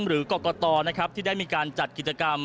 หรือกรกตนะครับที่ได้มีการจัดกิจกรรม